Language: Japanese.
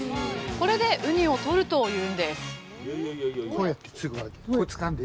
これでウニをとるというんですこれつかんで。